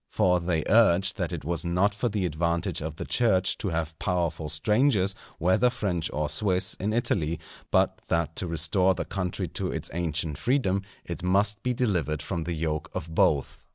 For they urged that it was not for the advantage of the Church to have powerful strangers, whether French or Swiss, in Italy; but that to restore the country to its ancient freedom, it must be delivered from the yoke of both.